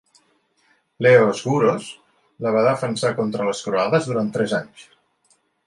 Leo Sgouros la va defensar contra les croades durant tres anys.